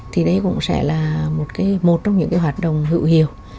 thì đây cũng sẽ là một trong những cái hoạt động hữu hiệu